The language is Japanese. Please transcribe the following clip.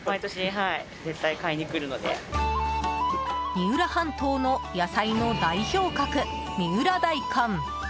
三浦半島の野菜の代表格三浦大根。